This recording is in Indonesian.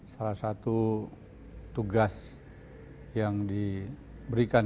salah satu tugas yang diberikan